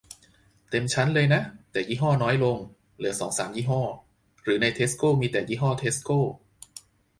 เต็มชั้นเลยนะ แต่ยี่ห้อน้อยลง เหลือสองสามยี่ห้อ หรือในเทสโกมีแต่ยี่ห้อเทสโก